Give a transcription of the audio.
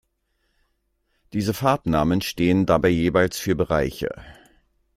Diese Farbnamen stehen dabei jeweils für Bereiche.